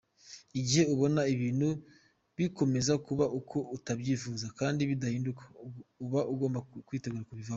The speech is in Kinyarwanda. Igihe ubona ibintu bikomeza kuba uko utabyifuza kandi bidahinduka ,uba ugomba kwitegura kubivamo.